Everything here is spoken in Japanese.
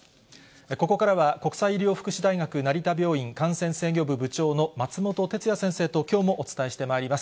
ここからは国際医療福祉大学成田病院感染制御部部長の松本哲哉先生ときょうもお伝えしてまいります。